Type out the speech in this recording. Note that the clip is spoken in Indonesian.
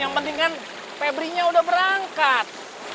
yang penting kan febrinya udah berangkat